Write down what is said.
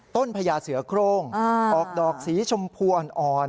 พญาเสือโครงออกดอกสีชมพูอ่อน